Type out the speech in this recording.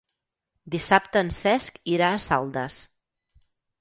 Dissabte en Cesc irà a Saldes.